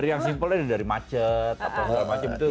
yang simple dari macet apa macam itu